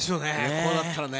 こうなったらね。